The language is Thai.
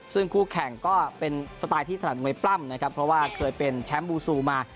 ซึ่งคู่แข่งก็เป็นสไตล์ที่ถนัดมวยปล้ำนะครับเพราะว่าเคยเป็นแชมป์บูซูมา